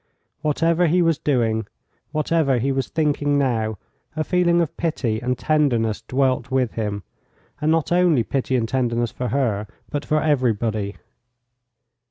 Whatever he was doing, whatever he was thinking now, a feeling of pity and tenderness dwelt with him, and not only pity and tenderness for her, but for everybody.